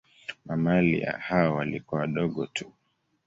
Mamalia hao walikuwa wadogo tu.